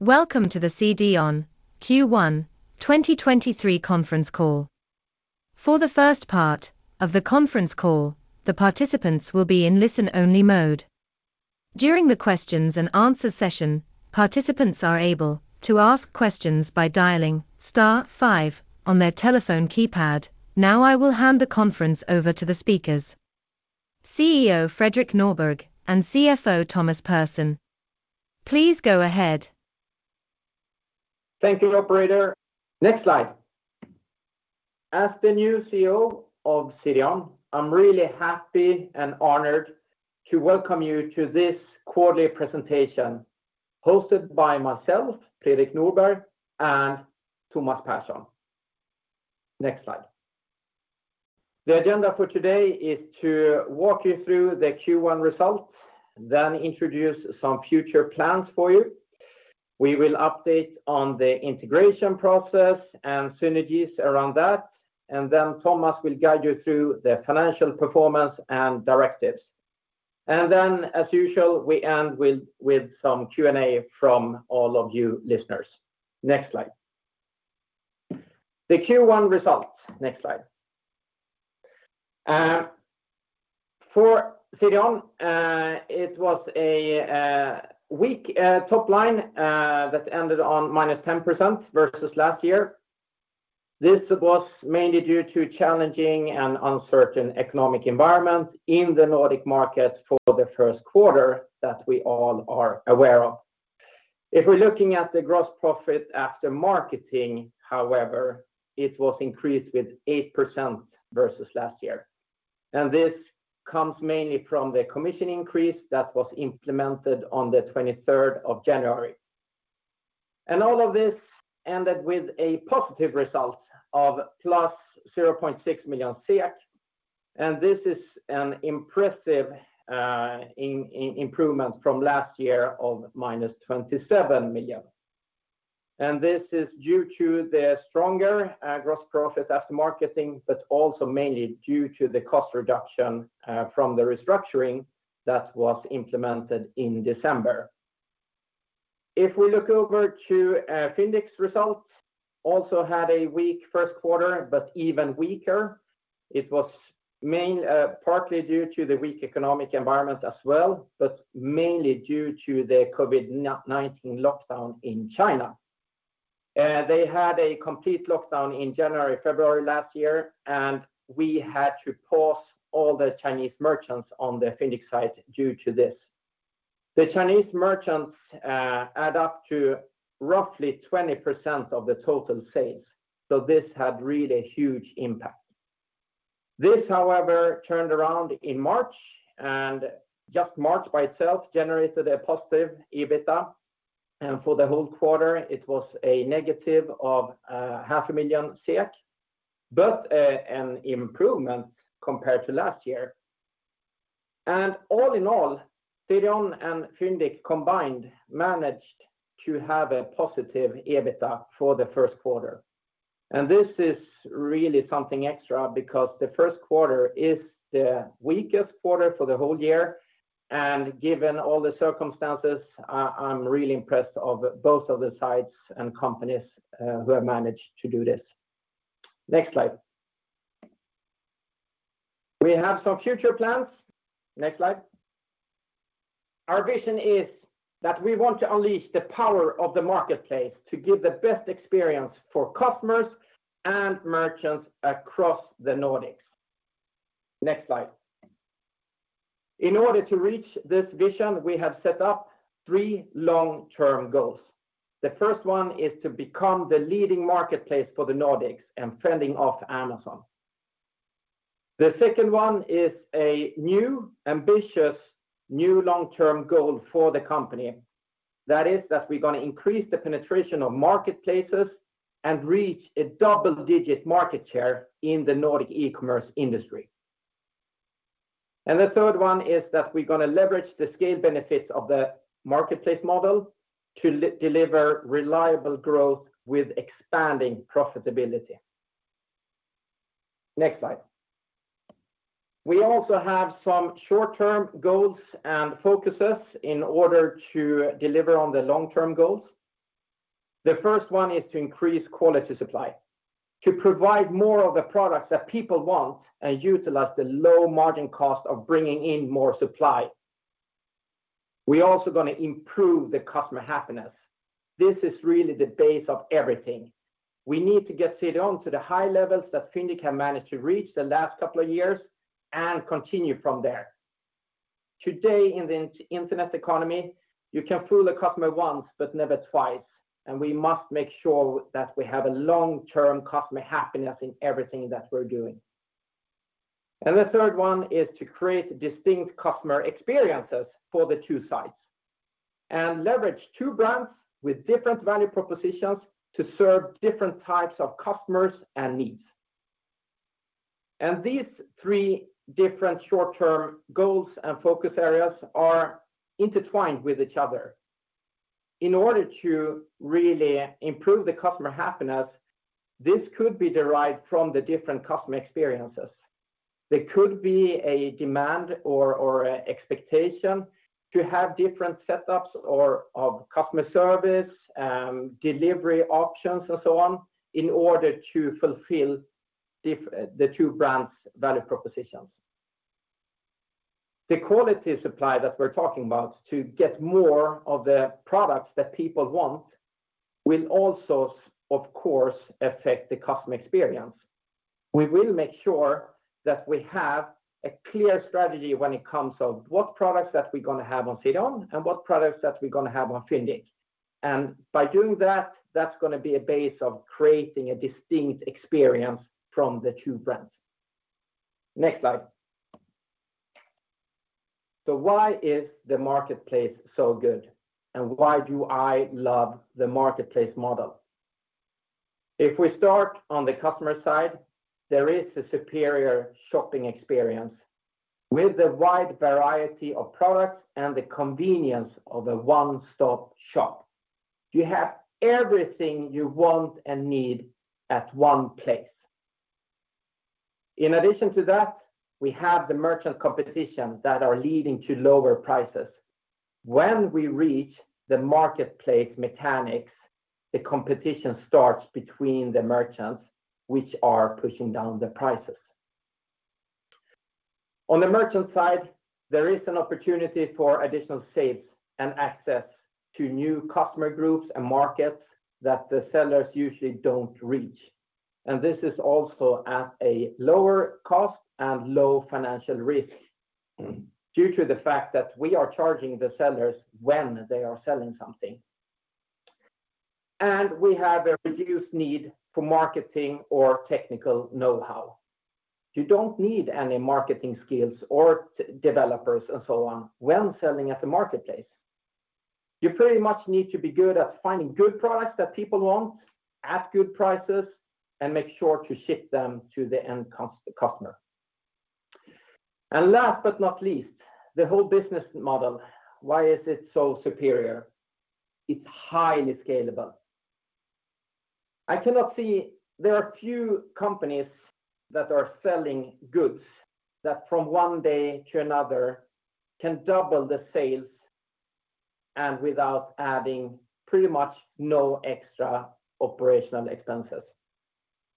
Welcome to the CDON Q1 2023 Conference Call. For the first part of the conference call, the participants will be in listen-only mode. During the questions and answer session, participants are able to ask questions by dialing star five on their telephone keypad. Now I will hand the conference over to the speakers, CEO Fredrik Norberg and CFO Thomas Pehrsson. Please go ahead. Thank you, operator. Next slide. As the new CEO of CDON, I'm really happy and honored to welcome you to this quarterly presentation hosted by myself, Fredrik Norberg, and Thomas Pehrsson. Next slide. The agenda for today is to walk you through the Q1 results, introduce some future plans for you. We will update on the integration process and synergies around that. Thomas will guide you through the financial performance and directives. As usual, we end with some Q&A from all of you listeners. Next slide. The Q1 results. Next slide. For CDON, it was a weak top line that ended on minus 10% versus last year. This was mainly due to challenging and uncertain economic environment in the Nordic market for the first quarter that we all are aware of. If we're looking at the gross profit after marketing, however, it was increased with 8% versus last year, and this comes mainly from the commission increase that was implemented on the 23rd of January. All of this ended with a positive result of +0.6 million SEK. This is an impressive improvement from last year of -27 million. This is due to the stronger gross profit after marketing, but also mainly due to the cost reduction from the restructuring that was implemented in December. If we look over to Fyndiq results also had a weak first quarter, but even weaker. It was partly due to the weak economic environment as well, but mainly due to the COVID-19 lockdown in China. They had a complete lockdown in January, February last year, we had to pause all the Chinese merchants on the Fyndiq site due to this. The Chinese merchants add up to roughly 20% of the total sales, this had really huge impact. This, however, turned around in March, just March by itself generated a positive EBITDA. For the whole quarter it was a -500,000 SEK, an improvement compared to last year. All in all, CDON and Fyndiq combined managed to have a positive EBITDA for the first quarter. This is really something extra because the first quarter is the weakest quarter for the whole year. Given all the circumstances, I'm really impressed of both of the sites and companies who have managed to do this. Next slide. We have some future plans. Next slide. Our vision is that we want to unleash the power of the marketplace to give the best experience for customers and merchants across the Nordics. Next slide. In order to reach this vision, we have set up three long-term goals. The first one is to become the leading marketplace for the Nordics and fending off Amazon. The second one is a new, ambitious, new long-term goal for the company. That is that we're gonna increase the penetration of marketplaces and reach a double-digit market share in the Nordic e-commerce industry. The third one is that we're gonna leverage the scale benefits of the marketplace model to deliver reliable growth with expanding profitability. Next slide. We also have some short-term goals and focuses in order to deliver on the long-term goals. The first one is to increase quality supply, to provide more of the products that people want and utilize the low margin cost of bringing in more supply. We also gonna improve the customer happiness. This is really the base of everything. We need to get CDON to the high levels that Fyndiq can manage to reach the last couple of years and continue from there. Today in the internet economy, you can fool a customer once, but never twice, and we must make sure that we have a long-term customer happiness in everything that we're doing. The third one is to create distinct customer experiences for the two sides and leverage two brands with different value propositions to serve different types of customers and needs. These three different short-term goals and focus areas are intertwined with each other. In order to really improve the customer happiness, this could be derived from the different customer experiences. There could be a demand or a expectation to have different setups or customer service, delivery options and so on in order to fulfill the two brands' value propositions. The quality supply that we're talking about to get more of the products that people want will also, of course, affect the customer experience. We will make sure that we have a clear strategy when it comes of what products that we're gonna have on CDON and what products that we're gonna have on Fyndiq. By doing that's gonna be a base of creating a distinct experience from the two brands. Next slide. Why is the marketplace so good, and why do I love the marketplace model? If we start on the customer side, there is a superior shopping experience with a wide variety of products and the convenience of a one-stop shop. You have everything you want and need at one place. In addition to that, we have the merchant competition that are leading to lower prices. When we reach the marketplace mechanics, the competition starts between the merchants, which are pushing down the prices. On the merchant side, there is an opportunity for additional sales and access to new customer groups and markets that the sellers usually don't reach. This is also at a lower cost and low financial risk due to the fact that we are charging the sellers when they are selling something. We have a reduced need for marketing or technical know-how. You don't need any marketing skills or developers and so on when selling at the marketplace. You pretty much need to be good at finding good products that people want at good prices and make sure to ship them to the end customer. Last but not least, the whole business model, why is it so superior? It's highly scalable. I cannot see there are few companies that are selling goods that from one day to another can double the sales and without adding pretty much no extra operational expenses.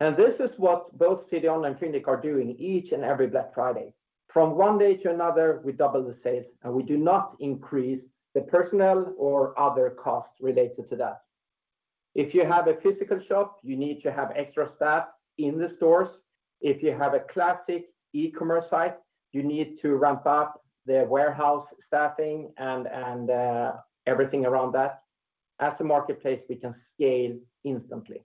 This is what both CDON and Fyndiq are doing each and every Black Friday. From one day to another, we double the sales, and we do not increase the personnel or other costs related to that. If you have a physical shop, you need to have extra staff in the stores. If you have a classic e-commerce site, you need to ramp up the warehouse staffing and everything around that. As a marketplace, we can scale instantly.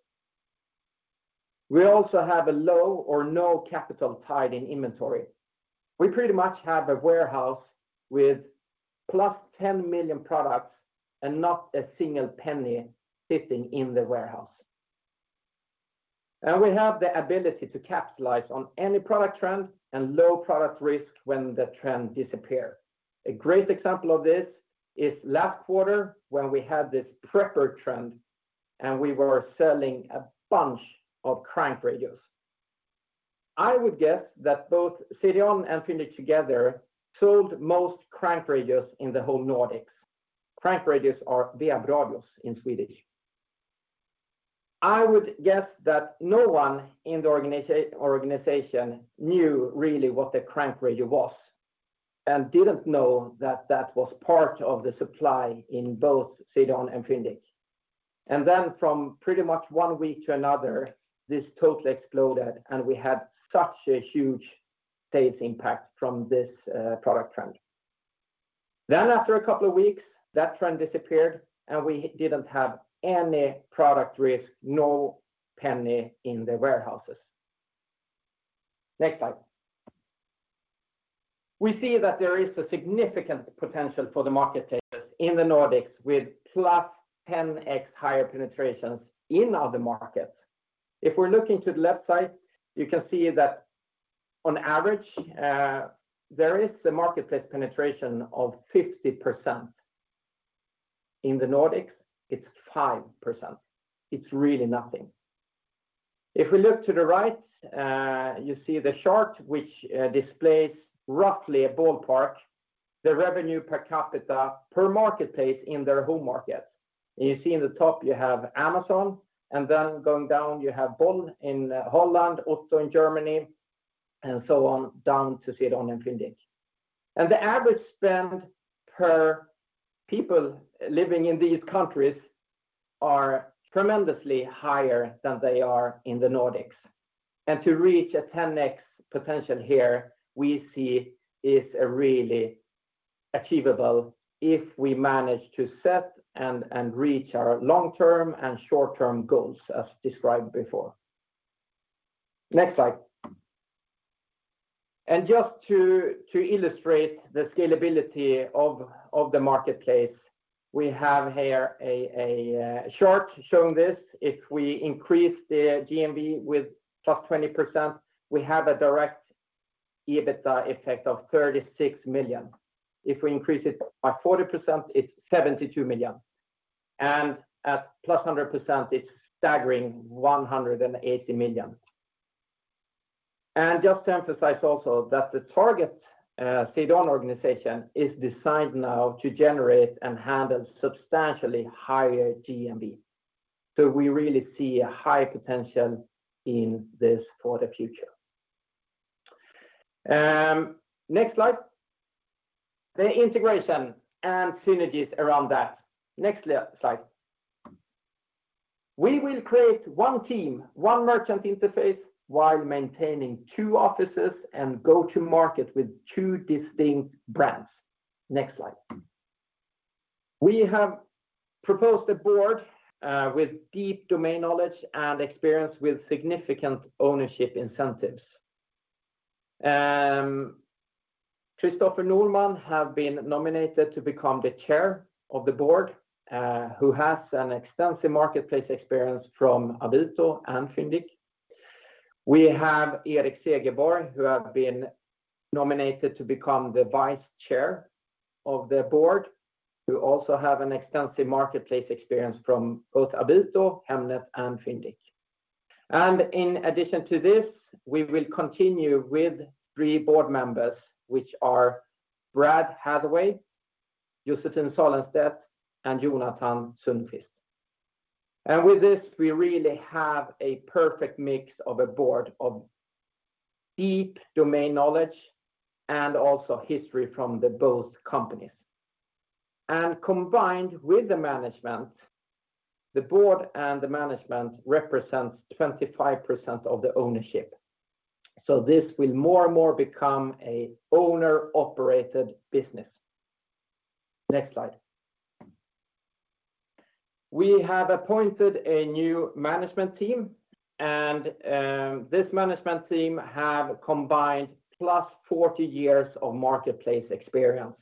We also have a low or no capital tied in inventory. We pretty much have a warehouse with plus 10 million products and not a single penny sitting in the warehouse. We have the ability to capitalize on any product trend and low product risk when the trend disappear. A great example of this is last quarter when we had this prepper trend, and we were selling a bunch of crank radios. I would guess that both CDON and Fyndiq together sold most crank radios in the whole Nordics. Crank radios are vevradios in Swedish. I would guess that no one in the organization knew really what the crank radio was and didn't know that that was part of the supply in both CDON and Fyndiq. From pretty much one week to another, this totally exploded, and we had such a huge sales impact from this product trend. After a couple of weeks, that trend disappeared, and we didn't have any product risk, no penny in the warehouses. Next slide. We see that there is a significant potential for the market takers in the Nordics with plus 10x higher penetrations in other markets. If we're looking to the left side, you can see that on average, there is a marketplace penetration of 50%. In the Nordics, it's 5%. It's really nothing. If we look to the right, you see the chart which displays roughly a ballpark, the revenue per capita per marketplace in their home market. You see in the top you have Amazon, and then going down, you have bol.com in Holland, Otto in Germany, and so on down to CDON and Fyndiq. The average spend per people living in these countries are tremendously higher than they are in the Nordics. To reach a 10x potential here, we see is a really achievable if we manage to set and reach our long-term and short-term goals as described before. Next slide. Just to illustrate the scalability of the marketplace, we have here a chart showing this. If we increase the GMV with +20%, we have a direct EBITDA effect of 36 million. If we increase it by 40%, it's 72 million. At +100%, it's staggering 180 million. Just to emphasize also that the target CDON organization is designed now to generate and handle substantially higher GMV. We really see a high potential in this for the future. Next slide. The integration and synergies around that. Next slide. We will create one team, one merchant interface, while maintaining two offices and go to market with two distinct brands. Next slide. We have proposed a board with deep domain knowledge and experience with significant ownership incentives. Christoffer Norman have been nominated to become the chair of the board, who has an extensive marketplace experience from Avito and Fyndiq. We have Erik Segerborg, who have been nominated to become the vice chair of the board, who also have an extensive marketplace experience from both Avito, Hemnet, and Fyndiq. In addition to this, we will continue with three board members, which are Brad Hathaway, Josephine Salenstedt, and Jonathan Sundqvist. With this, we really have a perfect mix of a board of deep domain knowledge and also history from the both companies. Combined with the management, the board and the management represents 25% of the ownership. This will more and more become a owner-operated business. Next slide. We have appointed a new management team, and this management team have combined 40+ years of marketplace experience,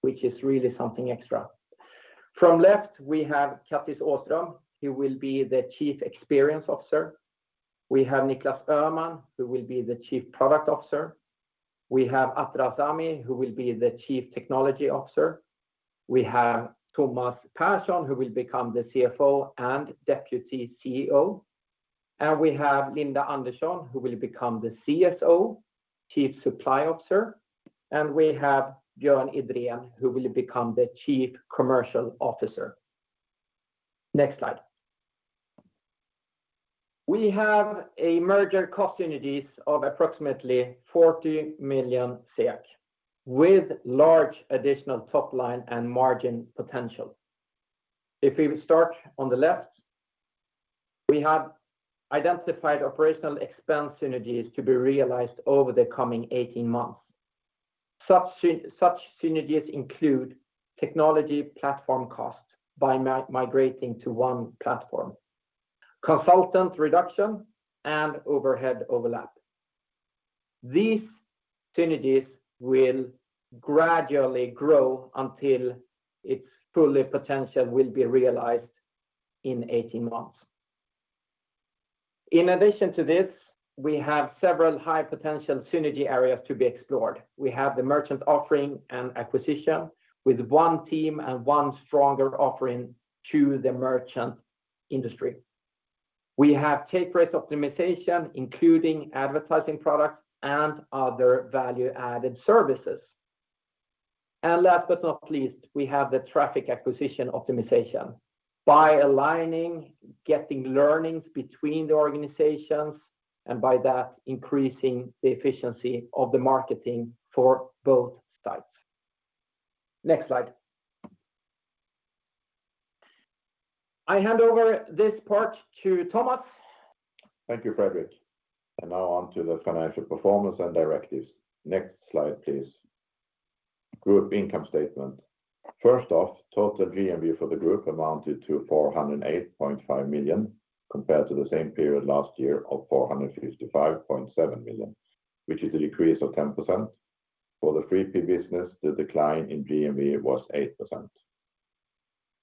which is really something extra. From left, we have Kattis Åström, who will be the Chief Experience Officer. We have Niklas Öhman, who will be the Chief Product Officer. We have Atra Azami, who will be the Chief Technology Officer. We have Thomas Pehrsson, who will become the CFO and Deputy CEO. We have Linda Andersson, who will become the CSO, Chief Supply Officer. We have Björn Idrén, who will become the Chief Commercial Officer. Next slide. We have a merger cost synergies of approximately 40 million SEK with large additional top line and margin potential. If we start on the left, we have identified operational expense synergies to be realized over the coming 18 months. Such synergies include technology platform costs by migrating to one platform, consultant reduction, and overhead overlap. These synergies will gradually grow until its fully potential will be realized in 18 months. In addition to this, we have several high potential synergy areas to be explored. We have the merchant offering and acquisition with one team and one stronger offering to the merchant industry. We have take rate optimization, including advertising products and other value-added services. Last but not least, we have the traffic acquisition optimization by aligning, getting learnings between the organizations and by that, increasing the efficiency of the marketing for both sites. Next slide. I hand over this part to Tomas. Thank you, Fredrik. Now on to the financial performance and directives. Next slide, please. Group income statement. First off, total GMV for the group amounted to 408.5 million compared to the same period last year of 455.7 million, which is a decrease of 10%. For the 3P business, the decline in GMV was 8%.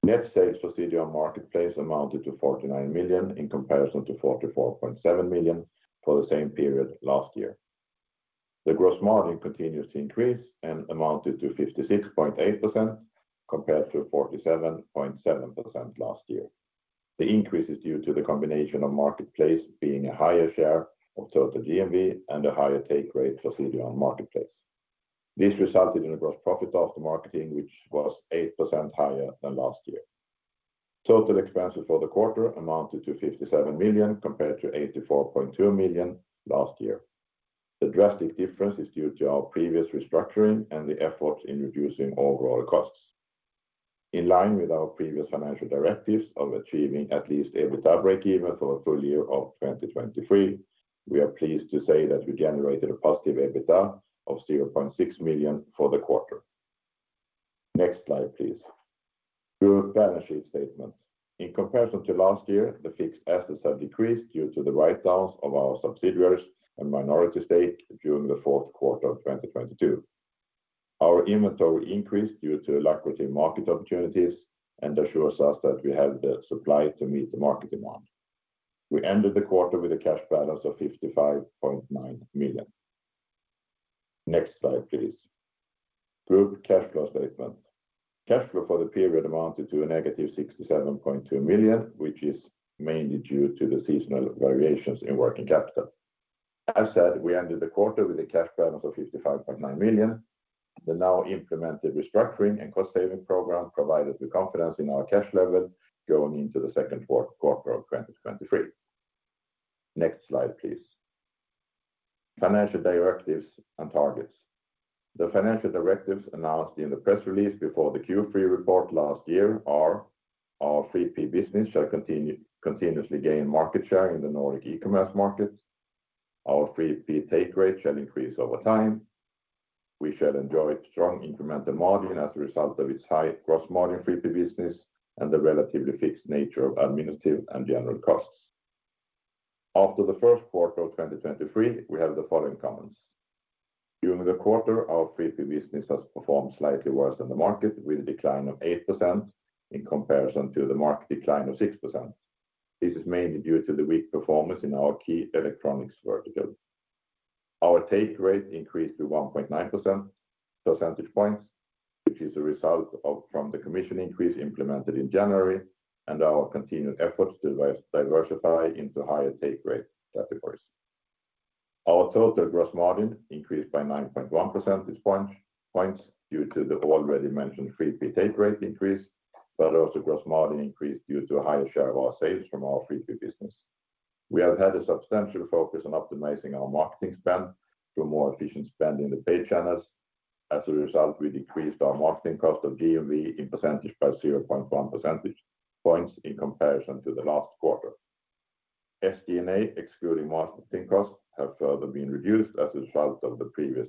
Net sales for CDON Marketplace amounted to 49 million in comparison to 44.7 million for the same period last year. The gross margin continues to increase and amounted to 56.8% compared to 47.7% last year. The increase is due to the combination of Marketplace being a higher share of total GMV and a higher take rate for CDON Marketplace. This resulted in a gross profit after marketing, which was 8% higher than last year. Total expenses for the quarter amounted to 57 million compared to 84.2 million last year. The drastic difference is due to our previous restructuring and the efforts in reducing overall costs. In line with our previous financial directives of achieving at least EBITDA breakeven for a full year of 2023, we are pleased to say that we generated a positive EBITDA of 0.6 million for the quarter. Next slide, please. Group balance sheet statement. In comparison to last year, the fixed assets have decreased due to the write-downs of our subsidiaries and minority stake during the fourth quarter of 2022. Our inventory increased due to lucrative market opportunities and assures us that we have the supply to meet the market demand. We ended the quarter with a cash balance of 55.9 million. Next slide, please. Group cash flow statement. Cash flow for the period amounted to -67.2 million, which is mainly due to the seasonal variations in working capital. As said, we ended the quarter with a cash balance of 55.9 million. The now implemented restructuring and cost-saving program provided with confidence in our cash level going into the second quarter of 2023. Next slide, please. Financial directives and targets. The financial directives announced in the press release before the Q3 report last year are our 3P business shall continuously gain market share in the Nordic e-commerce markets. Our 3P take rate shall increase over time. We shall enjoy strong incremental margin as a result of its high gross margin 3P business and the relatively fixed nature of administrative and general costs. After the first quarter of 2023, we have the following comments. During the quarter, our 3P business has performed slightly worse than the market, with a decline of 8% in comparison to the market decline of 6%. This is mainly due to the weak performance in our key electronics vertical. Our take rate increased to 1.9 percentage points, which is a result from the commission increase implemented in January and our continued efforts to diversify into higher take rate categories. Our total gross margin increased by 9.1 percentage points due to the already mentioned 3P take rate increase. Also, gross margin increased due to a higher share of our sales from our 3P business. We have had a substantial focus on optimizing our marketing spend through more efficient spend in the paid channels. As a result, we decreased our marketing cost of GMV in percentage by 0.1 percentage points in comparison to the last quarter. SG&A, excluding marketing costs, have further been reduced as a result of the previous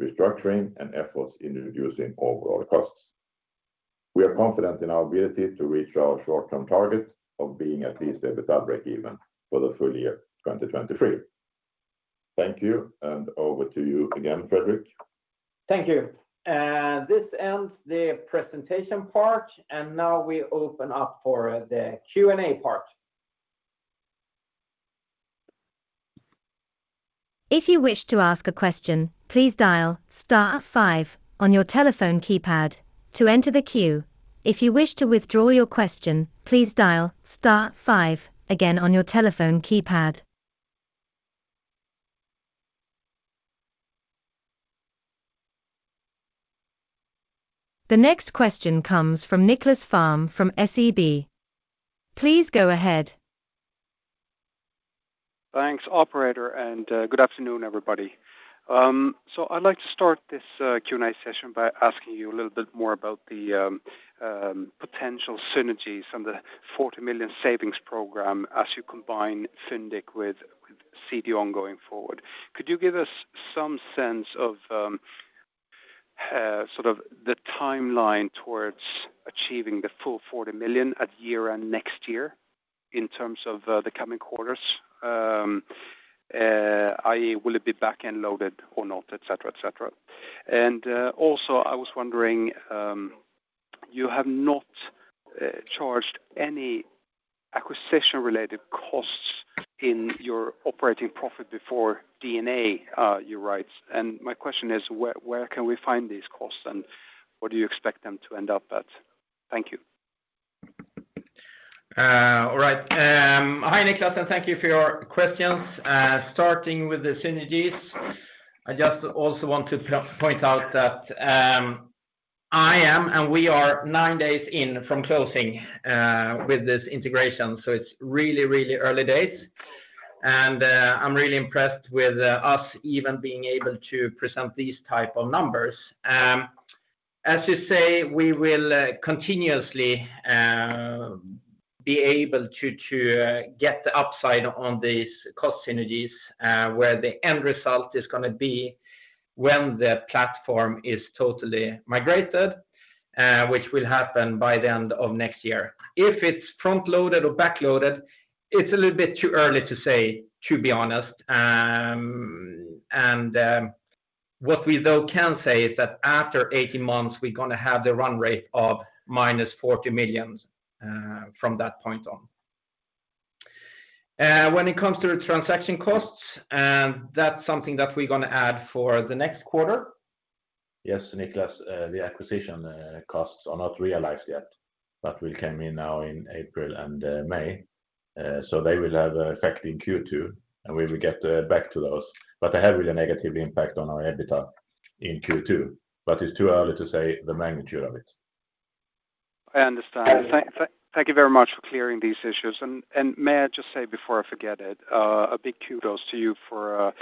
restructuring and efforts in reducing overall costs. We are confident in our ability to reach our short-term target of being at least EBITDA breakeven for the full year 2023. Thank you, and over to you again, Fredrik. Thank you. This ends the presentation part, and now we open up for the Q&A part. If you wish to ask a question, please dial star five on your telephone keypad to enter the queue. If you wish to withdraw your question, please dial star five again on your telephone keypad. The next question comes from Nicklas Fhärm from SEB. Please go ahead. Thanks, operator, good afternoon, everybody. I'd like to start this Q&A session by asking you a little bit more about the potential synergies and the 40 million savings program as you combine Fyndiq with CDON going forward. Could you give us some sense of sort of the timeline towards achieving the full 40 million at year-end next year in terms of the coming quarters? i.e., will it be back-end loaded or not, et cetera, et cetera. Also, I was wondering, you have not charged any acquisition-related costs in your operating profit before D&A, you write. My question is where can we find these costs, and where do you expect them to end up at? Thank you. All right. Hi, Nicklas, and thank you for your questions. Starting with the synergies, I just also want to point out that I am and we are nine days in from closing with this integration, so it's really early days. I'm really impressed with us even being able to present these type of numbers. As you say, we will continuously be able to get the upside on these cost synergies, where the end result is gonna be when the platform is totally migrated, which will happen by the end of next year. If it's front-loaded or back-loaded, it's a little bit too early to say, to be honest. What we though can say is that after 18 months, we're gonna have the run rate of -40 million from that point on. When it comes to transaction costs, that's something that we're gonna add for the next quarter. Yes, Niklas, the acquisition costs are not realized yet, but will come in now in April and May. They will have an effect in Q2, and we will get back to those. They have a negative impact on our EBITDA in Q2, but it's too early to say the magnitude of it. I understand. Thank you very much for clearing these issues. May I just say before I forget it, a big kudos to you for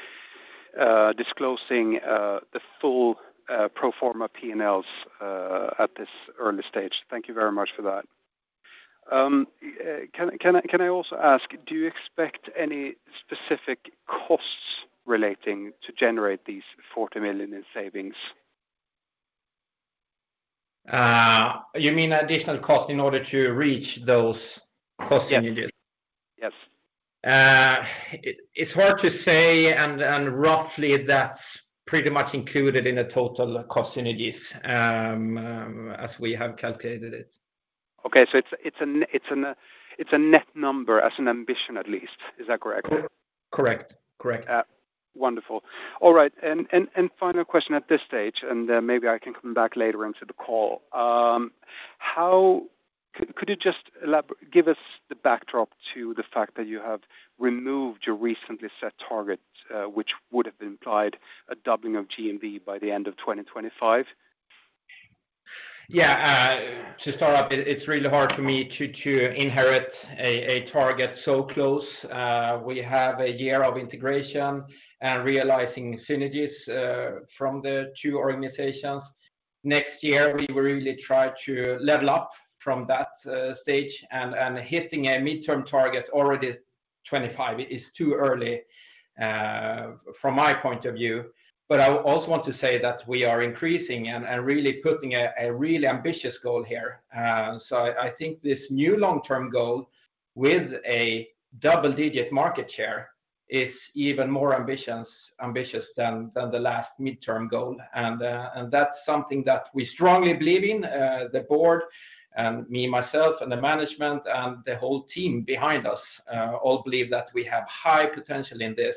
disclosing the full pro forma P&Ls at this early stage. Thank you very much for that. Can I also ask, do you expect any specific costs relating to generate these 40 million in savings? You mean additional cost in order to reach those cost synergies? Yes. Yes. It's hard to say, and roughly that's pretty much included in the total cost synergies, as we have calculated it. Okay. It's a net number as an ambition at least. Is that correct? Correct. Correct. Wonderful. All right. Final question at this stage, and then maybe I can come back later into the call. How could you just give us the backdrop to the fact that you have removed your recently set targets, which would have implied a doubling of GMV by the end of 2025? To start up, it's really hard for me to inherit a target so close. We have a year of integration and realizing synergies from the two organizations. Next year, we will really try to level up from that stage and hitting a midterm target already 25 is too early from my point of view. I also want to say that we are increasing and really putting a really ambitious goal here. I think this new long-term goal with a double-digit market share is even more ambitious than the last midterm goal. That's something that we strongly believe in. The board and me, myself, and the management, and the whole team behind us, all believe that we have high potential in this.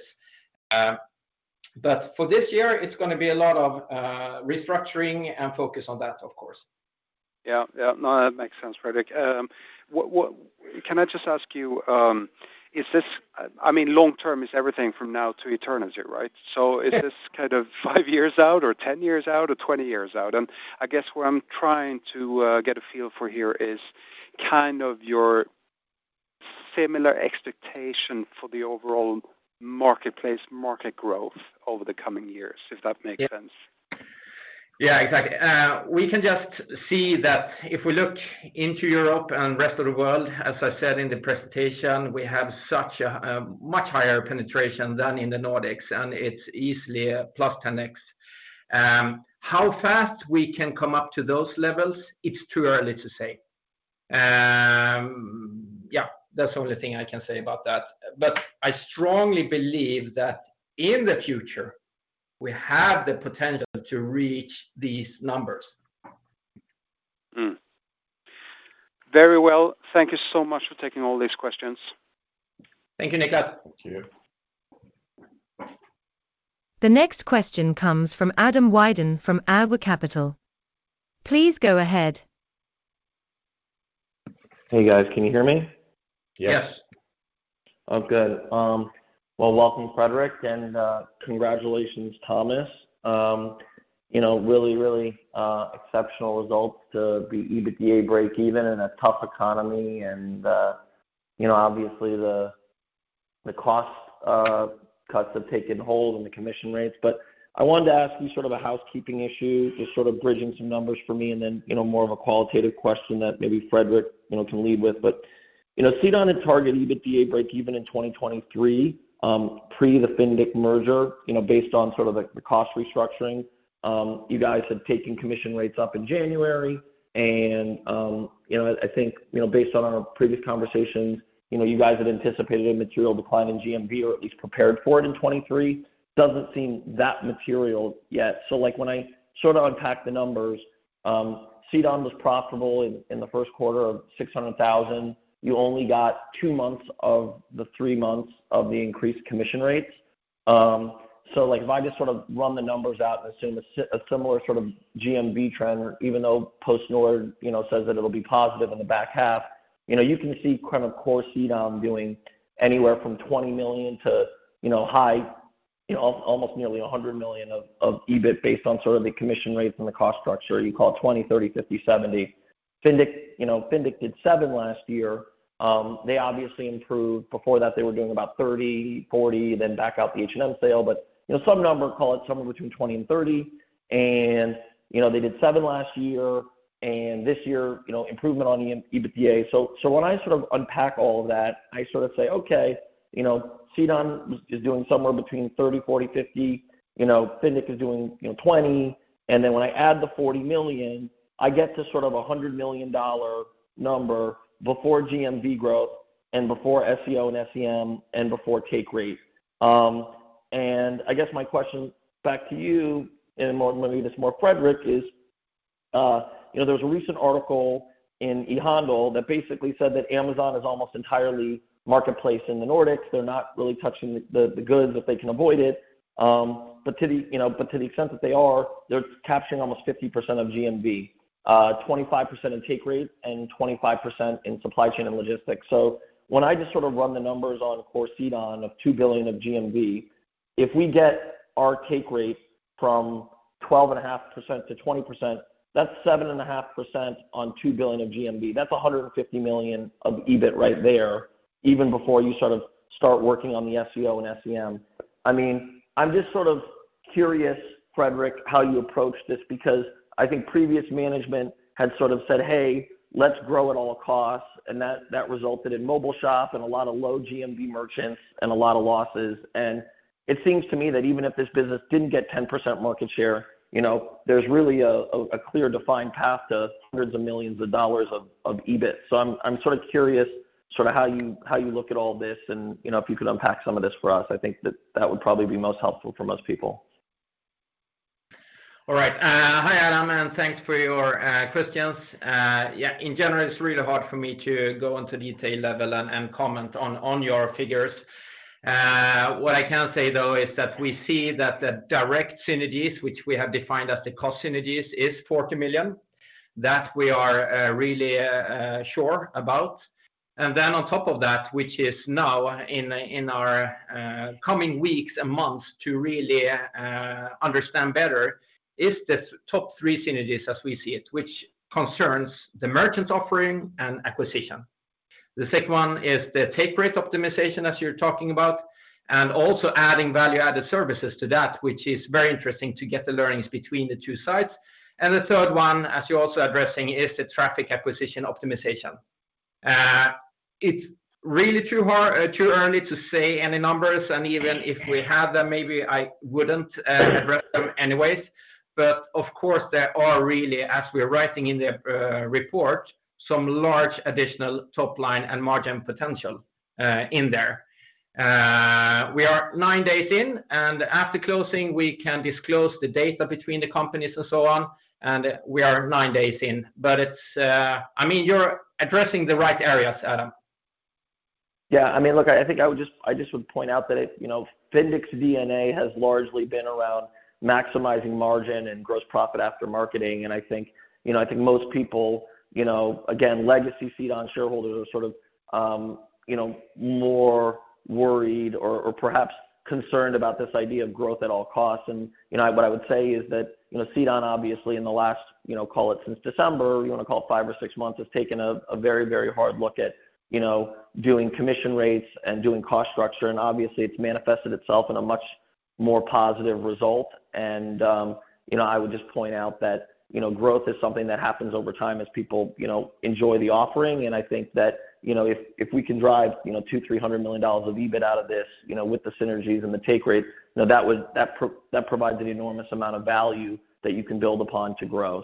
For this year, it's gonna be a lot of restructuring and focus on that, of course. Yeah. Yeah. No, that makes sense, Fredrik. what, Can I just ask you, I mean, long term is everything from now to eternity, right? Yeah. Is this kind of five years out or 10 years out or 20 years out? I guess what I'm trying to get a feel for here is kind of your similar expectation for the overall marketplace market growth over the coming years, if that makes sense. Yeah, exactly. We can just see that if we look into Europe and rest of the world, as I said in the presentation, we have such a much higher penetration than in the Nordics, and it's easily a +10x. How fast we can come up to those levels, it's too early to say. Yeah, that's the only thing I can say about that. I strongly believe that in the future, we have the potential to reach these numbers. Very well. Thank you so much for taking all these questions. Thank you, Nicklas. Thank you. The next question comes from Adam Wyden from ADW Capital. Please go ahead. Hey, guys. Can you hear me? Yes. Yes. Good. Well, welcome, Fredrik, and congratulations, Thomas. You know, really, really exceptional results to be EBITDA breakeven in a tough economy and, you know, obviously the cost cuts have taken hold in the commission rates. I wanted to ask you sort of a housekeeping issue, just sort of bridging some numbers for me and then, you know, more of a qualitative question that maybe Fredrik, you know, can lead with. You know, CDON had targeted EBITDA breakeven in 2023, pre the Fyndiq merger, you know, based on sort of like the cost restructuring. You guys have taken commission rates up in January and, you know, I think, you know, based on our previous conversations, you know, you guys had anticipated a material decline in GMV or at least prepared for it in 2023. Doesn't seem that material yet. Like, when I sort of unpack the numbers, CDON was profitable in the first quarter of 600,000. You only got two months of the three months of the increased commission rates. Like if I just sort of run the numbers out and assume a similar sort of GMV trend, even though PostNord, you know, says that it'll be positive in the back half, you know, you can see kind of core CDON doing anywhere from 20 million to, you know, high, you know, nearly 100 million of EBIT based on sort of the commission rates and the cost structure. You call it 20 million, 30 million, 50 million, 70 million. Fyndiq, you know, Fyndiq did 7 million last year. They obviously improved. Before that, they were doing about 30 million, 40 million, back out the H&M sale. You know, some number, call it somewhere between 20 million and 30 million. You know, they did 7 million last year, and this year, you know, improvement on the EBITDA. When I sort of unpack all of that, I sort of say, okay, you know, CDON is doing somewhere between 30 million, 40 million, 50 million, you know, Fyndiq is doing, you know, 20 million. When I add the 40 million, I get to sort of a SEK 100 million number before GMV growth and before SEO and SEM and before take rate. I guess my question back to you, maybe this more Fredrik, is, you know, there was a recent article in ehandel.se that basically said that Amazon is almost entirely marketplace in the Nordics. They're not really touching the goods if they can avoid it. To the, you know, but to the extent that they are, they're capturing almost 50% of GMV, 25% in take rate and 25% in supply chain and logistics. When I just sort of run the numbers on core CDON of 2 billion of GMV, if we get our take rate from 12.5% to 20%, that's 7.5% on 2 billion of GMV. That's 150 million of EBIT right there, even before you sort of start working on the SEO and SEM. I'm just sort of curious, Fredrik, how you approach this because I think previous management had sort of said, "Hey, let's grow at all costs." That resulted in Mobishop and a lot of low GMV merchants and a lot of losses. It seems to me that even if this business didn't get 10% market share, you know, there's really a clear defined path to hundreds of millions of dollars of EBIT. I'm sort of curious how you look at all this and, you know, if you could unpack some of this for us. I think that would probably be most helpful for most people. All right. Hi Adam, thanks for your questions. Yeah, in general, it's really hard for me to go into detail level and comment on your figures. What I can say though is that we see that the direct synergies which we have defined as the cost synergies is 40 million. That we are really sure about. Then on top of that, which is now in our coming weeks and months to really understand better is the top three synergies as we see it, which concerns the merchant offering and acquisition. The second one is the take rate optimization as you're talking about, also adding value-added services to that, which is very interesting to get the learnings between the two sides. The third one, as you're also addressing, is the traffic acquisition optimization. It's really too early to say any numbers. Even if we have them, maybe I wouldn't address them anyways. Of course, there are really, as we are writing in the report, some large additional top line and margin potential in there. We are nine days in. After closing, we can disclose the data between the companies and so on. We are nine days in. It's... I mean, you're addressing the right areas, Adam. Yeah. I mean, look, I think I just would point out that, you know, Fyndiq's D&A has largely been around maximizing margin and gross profit after marketing. I think, you know, I think most people, you know, again, legacy CDON shareholders are sort of, you know, more worried or perhaps concerned about this idea of growth at all costs. You know, what I would say is that, you know, CDON obviously in the last, you know, call it since December, you want to call it five or six months, has taken a very, very hard look at, you know, doing commission rates and doing cost structure, and obviously it's manifested itself in a much more positive result. You know, I would just point out that, you know, growth is something that happens over time as people, you know, enjoy the offering. I think that, you know, if we can drive, you know, $200 million-$300 million of EBIT out of this, you know, with the synergies and the take rates, you know, that provides an enormous amount of value that you can build upon to grow.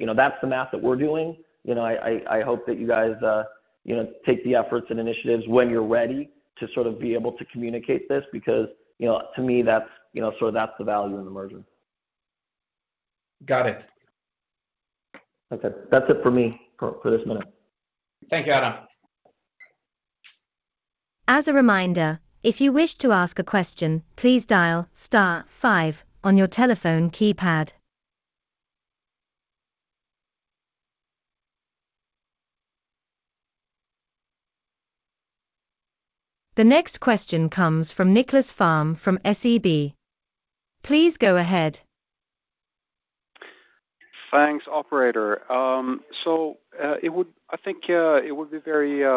You know, that's the math that we're doing. I hope that you guys, you know, take the efforts and initiatives when you're ready to sort of be able to communicate this because, you know, to me, that's, you know, sort of that's the value in the merger. Got it. Okay. That's it for me for this moment. Thanks, Adam. As a reminder, if you wish to ask a question, please dial star five on your telephone keypad. The next question comes from Nicklas Fhärm from SEB. Please go ahead. Thanks, operator. I think it would be very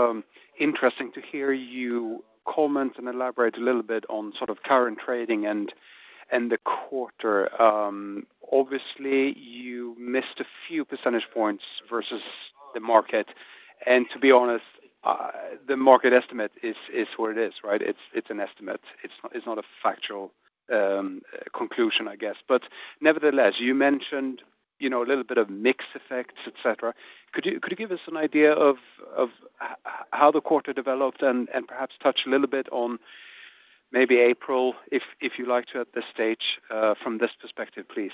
interesting to hear you comment and elaborate a little bit on sort of current trading and the quarter. Obviously, you missed a few percentage points versus the market, and to be honest, the market estimate is what it is, right? It's an estimate. It's not a factual conclusion, I guess. Nevertheless, you mentioned, you know, a little bit of mix effects, et cetera. Could you give us an idea of how the quarter developed and perhaps touch a little bit on maybe April if you like to at this stage, from this perspective, please.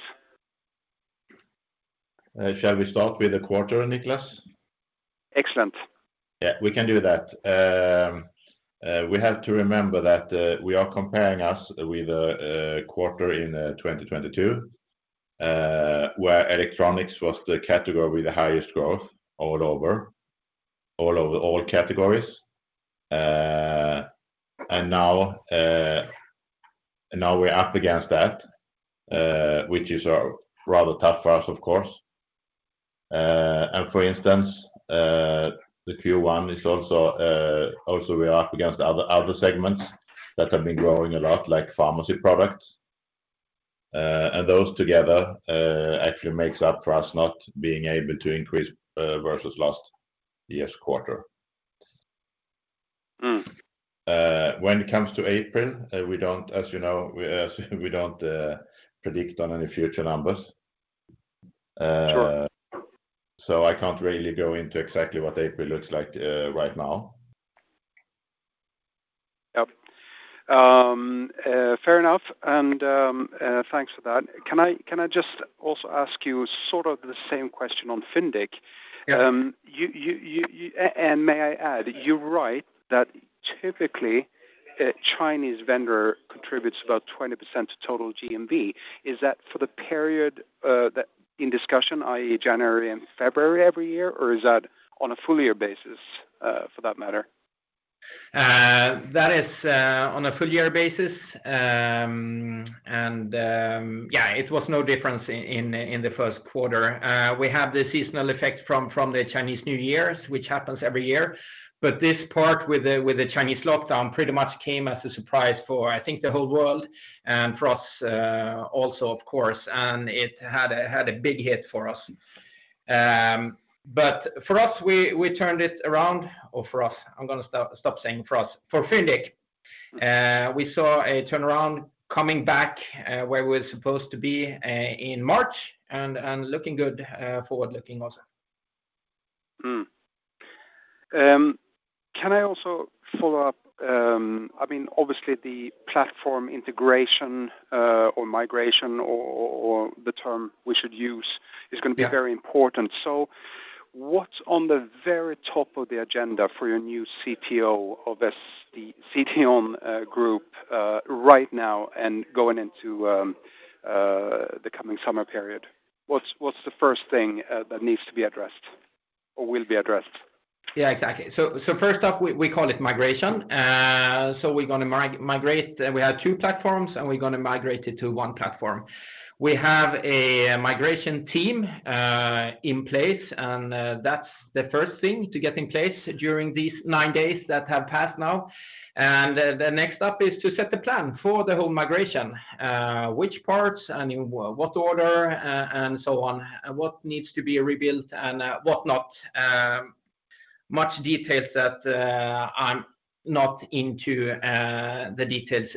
Shall we start with the quarter, Nicklas? Excellent. Yeah, we can do that. We have to remember that we are comparing us with a quarter in 2022, where electronics was the category with the highest growth all over all categories. Now we're up against that, which is rather tough for us, of course. For instance, the Q1 is also we are up against other segments that have been growing a lot, like pharmacy products. Those together actually makes up for us not being able to increase versus last year's quarter. Mm. When it comes to April, we don't, as you know, we don't predict on any future numbers. Sure. I can't really go into exactly what April looks like, right now. Yep. fair enough. thanks for that. Can I just also ask you sort of the same question on Fyndiq? Yeah. You. May I add, you write that typically a Chinese vendor contributes about 20% to total GMV. Is that for the period that in discussion, i.e. January and February every year, or is that on a full year basis for that matter? That is on a full year basis. It was no difference in the first quarter. We have the seasonal effect from the Chinese New Year's, which happens every year. This part with the Chinese lockdown pretty much came as a surprise for, I think, the whole world and for us also, of course. It had a big hit for us. For us, we turned it around. I'm gonna stop saying for us. For Fyndiq, we saw a turnaround coming back where we're supposed to be in March and looking good forward looking also. Can I also follow up? I mean, obviously the platform integration, or migration or the term we should use. Yeah... very important. What's on the very top of the agenda for your new CTO of the CDON group right now and going into the coming summer period? What's the first thing that needs to be addressed or will be addressed? Yeah, exactly. First up, we call it migration. We're gonna migrate. We have two platforms, and we're gonna migrate it to one platform. We have a migration team in place, and that's the first thing to get in place during these nine days that have passed now. The next step is to set the plan for the whole migration, which parts and in what order, and so on, and what needs to be rebuilt and what not. much details that I'm not into the details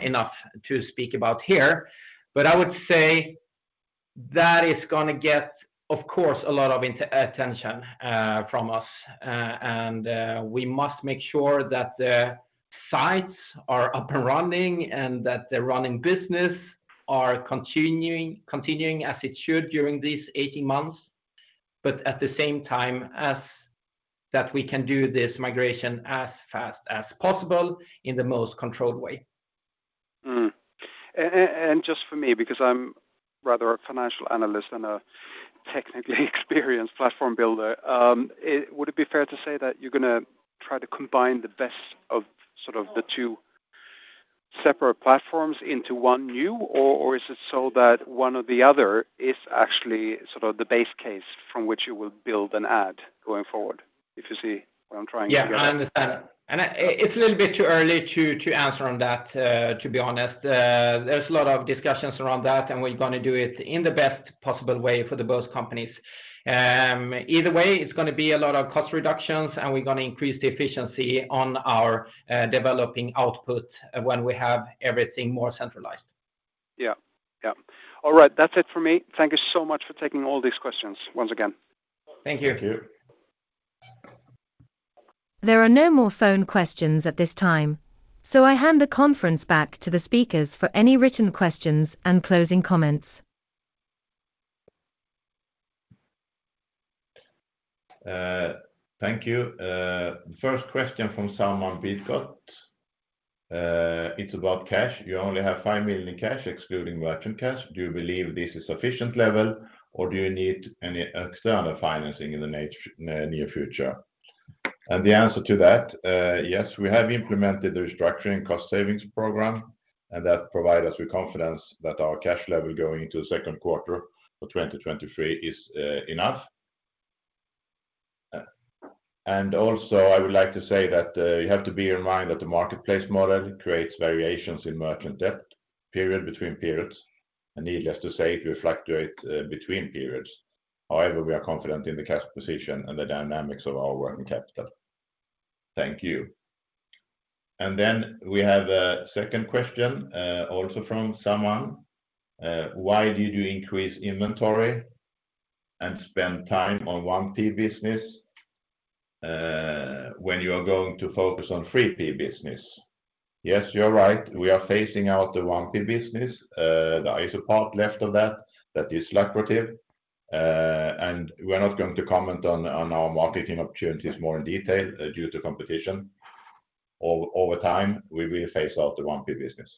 enough to speak about here. I would say that is gonna get, of course, a lot of attention from us. We must make sure that the sites are up and running and that the running business are continuing as it should during these 18 months, but at the same time as that we can do this migration as fast as possible in the most controlled way. Just for me, because I'm rather a financial analyst than a technically experienced platform builder, would it be fair to say that you're gonna try to combine the best of sort of the two separate platforms into one new, or is it so that one or the other is actually sort of the base case from which you will build and add going forward? If you see what I'm trying to get at. Yeah, I understand. It's a little bit too early to answer on that, to be honest. There's a lot of discussions around that, and we're gonna do it in the best possible way for the both companies. Either way, it's gonna be a lot of cost reductions, and we're gonna increase the efficiency on our developing output when we have everything more centralized. Yeah. Yeah. All right. That's it for me. Thank you so much for taking all these questions once again. Thank you. Thank you. There are no more phone questions at this time, so I hand the conference back to the speakers for any written questions and closing comments. Thank you. First question from Simon Bodecott. It's about cash. You only have 5 million in cash excluding merchant cash. Do you believe this is sufficient level, or do you need any external financing in the near future? The answer to that, yes, we have implemented the restructuring cost savings program, and that provide us with confidence that our cash level going into second quarter for 2023 is enough. Also I would like to say that you have to bear in mind that the marketplace model creates variations in merchant debt period between periods. Needless to say, it will fluctuate between periods. However, we are confident in the cash position and the dynamics of our working capital. Thank you. We have a second question also from Simon. Why did you increase inventory and spend time on 1P business, when you are going to focus on 3P business? Yes, you're right. We are phasing out the 1P business. There is a part left of that is lucrative. We're not going to comment on our marketing opportunities more in detail due to competition. Over time, we will phase out the 1P business.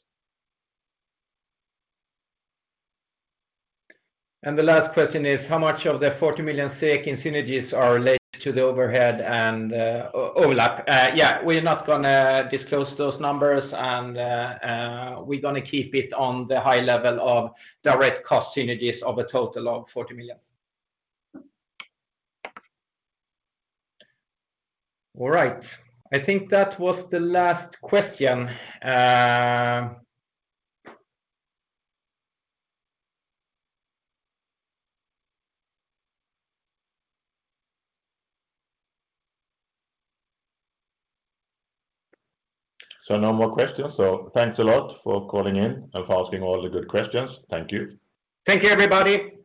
The last question is, how much of the 40 million SEK in synergies are related to the overhead and overlap? Yeah, we are not gonna disclose those numbers, and we're gonna keep it on the high level of direct cost synergies of a total of 40 million SEK. All right. I think that was the last question. No more questions. Thanks a lot for calling in and for asking all the good questions. Thank you. Thank you, everybody.